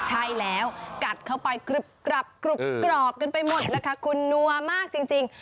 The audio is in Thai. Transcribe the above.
ใช่แล้วกัดเข้าไปกรุบกรอบกันไปหมดนะคะคุณนัวมากจริง